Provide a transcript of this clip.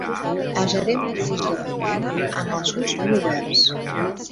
El gerent va dirigir el programa amb els ulls ben oberts.